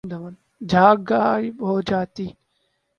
جھاگ غائب ہو جاتی